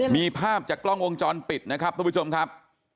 มีภาพจากกล้องวงจรปิดนะครับทุกผู้ชมครับ